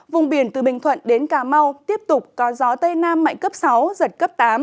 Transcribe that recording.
vùng biển từ bình thuận đến cà mau tiếp tục có gió tây nam mạnh cấp sáu giật cấp tám